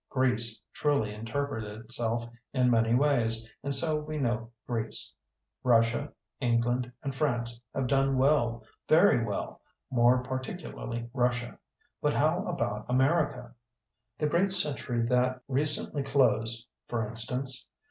Greece truly interpreted itself in many ways and so we know Greece. Russia, England, and France have done well, very well, more par ticularly Russia, But how about America? The great century that re cently closed, for instance?